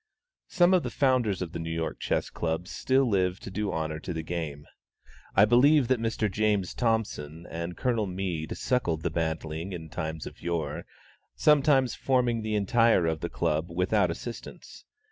Some of the founders of the New York Chess Club still live to do honor to the game. I believe that Mr. James Thompson and Colonel Mead suckled the bantling in times of yore, sometimes forming the entire of the Club without assistance.